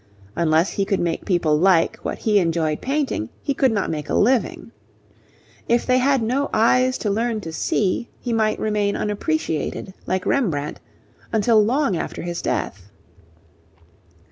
Unless he could make people like what he enjoyed painting, he could not make a living. If they had no eyes to learn to see, he might remain unappreciated, like Rembrandt, until long after his death.